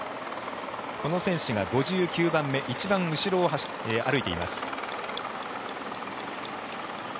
この選手が５９番目一番後ろを歩いています。